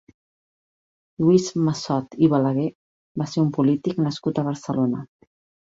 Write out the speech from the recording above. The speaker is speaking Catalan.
Lluís Massot i Balaguer va ser un polític nascut a Barcelona.